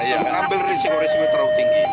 nah iya ngambil resiko resiko terlalu tinggi